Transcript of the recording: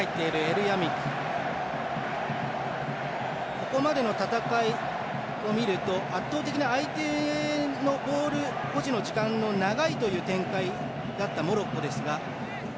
ここまでの戦いを見ると圧倒的に相手のボール保持の時間が長いという展開だったモロッコですが。